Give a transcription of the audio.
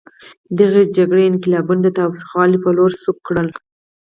دغې جګړې انقلابیون د تاوتریخوالي په لور سوق کړل.